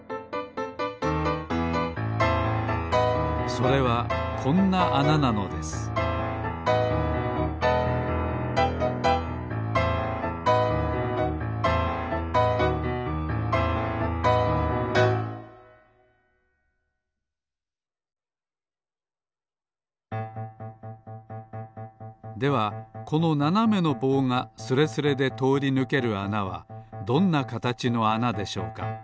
それはこんなあななのですではこのななめのぼうがスレスレでとおりぬけるあなはどんなかたちのあなでしょうか？